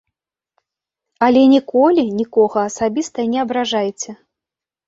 Але ніколі нікога асабіста не абражайце.